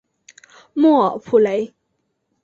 莫尔普雷。